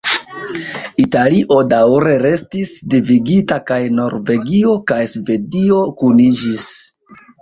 Italio daŭre restis dividita kaj Norvegio kaj Svedio kuniĝis.